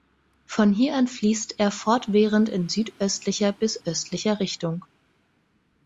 Von hier an fließt er fortwährend in südöstlicher bis östlicher Richtung.